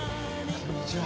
こんにちは。